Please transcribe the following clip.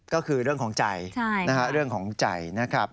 ก็คือเรื่องของใจเรื่องของใจนะครับ